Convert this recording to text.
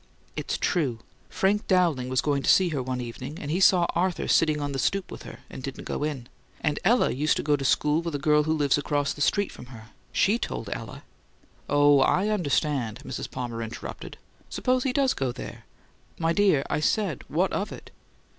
"It's true. Frank Dowling was going to see her one evening and he saw Arthur sitting on the stoop with her, and didn't go in. And Ella used to go to school with a girl who lives across the street from here. She told Ella " "Oh, I understand," Mrs. Palmer interrupted. "Suppose he does go there. My dear, I said, 'What of it?'"